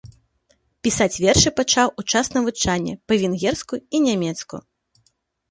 Пісаць вершы пачаў у час навучання па-венгерску і нямецку.